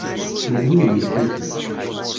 Llan wid i iselken?